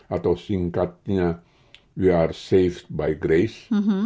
atau singkatnya we are saved by grace